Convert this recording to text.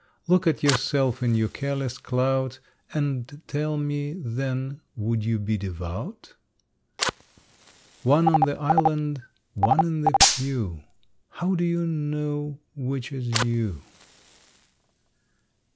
Look at yourself in your careless clout, And tell me, then, would you be devout? One on the island, one in the pew How do you know which is you?